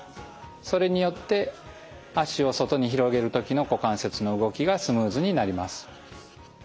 それによって脚を外に広げる時の股関節の動きがスムーズになります。